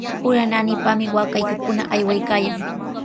Ura naanipami waakaykikuna aywaykaayan.